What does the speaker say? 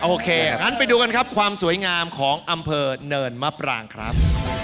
โอเคงั้นไปดูกันครับความสวยงามของอำเภอเนินมะปรางครับ